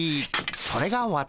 それが私。